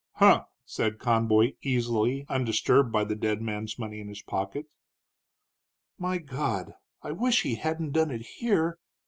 "Huh!" said Conboy, easily, entirely undisturbed by the dead man's money in his pocket. "My God! I wish he hadn't done it here!"